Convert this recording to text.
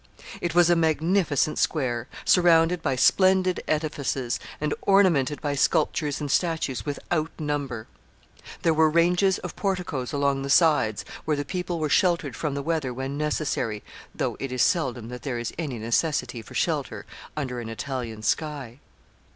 It was a magnificent square, surrounded by splendid edifices, and ornamented by sculptures and statues without number. There were ranges of porticoes along the sides, where the people were sheltered from the weather when necessary, though it is seldom that there is any necessity for shelter under an Italian sky.